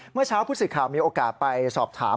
เมื่อเช้าผู้สื่อข่าวมีโอกาสไปสอบถาม